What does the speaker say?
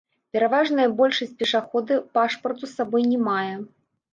Пераважная большасць пешаходаў пашпарту з сабой не мае.